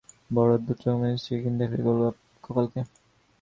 বড় অদ্ভুত রকমের শ্রীহীন দেখায় গোপালকে।